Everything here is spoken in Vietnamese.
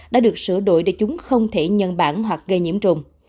đã được sửa đổi để chúng không thể nhân bản hoặc gây nhiễm trùng